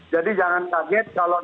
jadi jangan kaget kalau